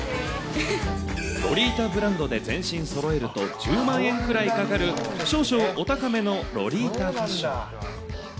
ロリータブランドで全身そろえると１０万円ぐらいかかる、少々お高めのロリータファッション。